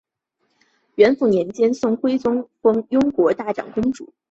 元符年间宋徽宗封雍国大长公主。